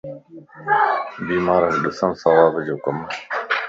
بيمارکَ ڏسڻ ثواب جو ڪمَ